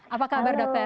apa kabar dokter